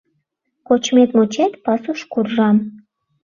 Кочмет-мочет, пасуш куржам.